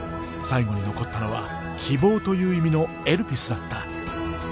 最後に残ったのは希望という意味のエルピスだった。